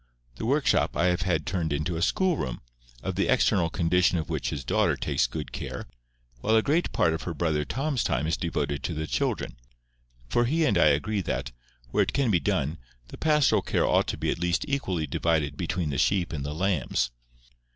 The workshop I have had turned into a school room, of the external condition of which his daughter takes good care, while a great part of her brother Tom's time is devoted to the children; for he and I agree that, where it can be done, the pastoral care ought to be at least equally divided between the sheep and the lambs.